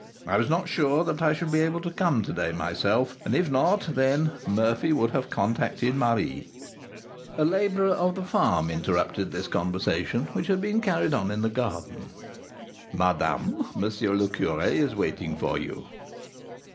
I was not sure that I should be able to come to day myself, and if not, then Murphy would have conducted Marie " A labourer of the farm interrupted this conversation, which had been carried on in the garden. "Madame, M. le Curé is waiting for you."